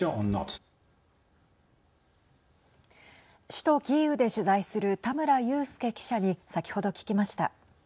首都キーウで取材する田村佑輔記者に先ほど聞きました。